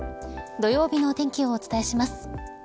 土曜日のお天気をお伝えします。